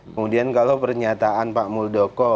kemudian kalau pernyataan pak muldoko